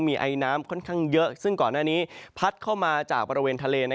มีไอน้ำค่อนข้างเยอะซึ่งก่อนหน้านี้พัดเข้ามาจากบริเวณทะเล